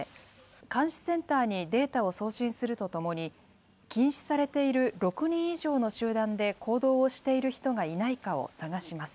監視センターにデータを送信するとともに、禁止されている６人以上の集団で行動をしている人がいないかを探します。